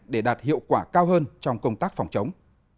để đạt hiệu quả cao hơn trong công tác phòng chống